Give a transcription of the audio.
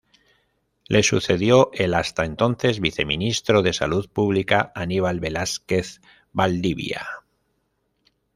Le sucedió el hasta entonces viceministro de Salud Pública Aníbal Velásquez Valdivia.